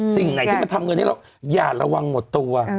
สิ่งไหนที่มันทำเงินให้เราอย่าระวังหมดตัว